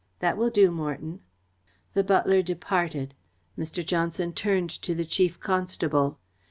That will do, Morton." The butler departed. Mr. Johnson turned to the Chief Constable.